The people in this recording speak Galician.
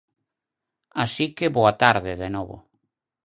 Así que boa tarde de novo.